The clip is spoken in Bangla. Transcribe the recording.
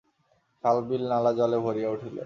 খাল বিল নালা জলে ভরিয়া উঠিল।